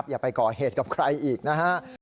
อย่าไปก่อเหตุกับใครอีกนะฮะ